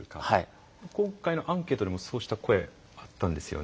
今回のアンケートでもそうした声があったんですよね。